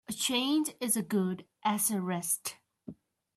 A change is as good as a rest.